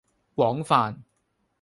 廣泛